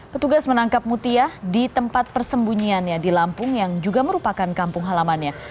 petugas menangkap mutia di tempat persembunyiannya di lampung yang juga merupakan kampung halamannya